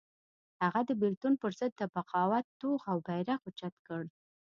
هغه د بېلتون پر ضد د بغاوت توغ او بېرغ اوچت کړ.